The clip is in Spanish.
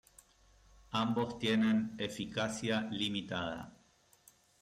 Ambos tienen eficacia limitada.